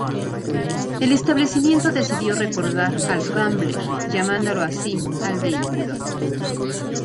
El establecimiento decidió recordar al Rambler, llamándolo así al vehículo.